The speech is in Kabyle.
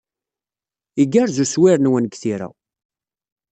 Igerrez uswir-nwen deg tira.